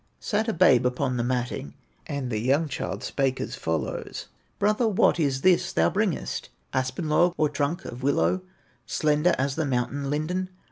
Sat a babe upon the matting, And the young child spake as follows: "Brother, what is this thou bringest, Aspen log or trunk of willow, Slender as the mountain linden?